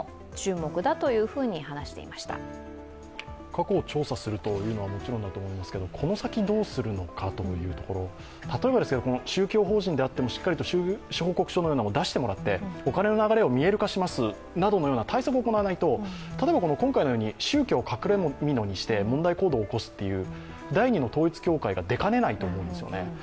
過去を調査するのはもちろんだと思いますけど、この先どうするのかというところ、例えばですけど、宗教法人であってもしっかり収支報告書のようなものを出してもらってお金の流れを見える化しますのような対策を行わないと例えば今回のように宗教を隠れみのにして問題行動を起こすという第２の統一教会が出かねないと思うんですね。